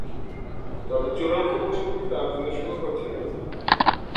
তবে, চূড়ান্ত মৌসুমটি তার জন্যে সুখকর ছিল না।